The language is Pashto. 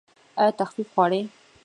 ایا تخفیف غواړئ؟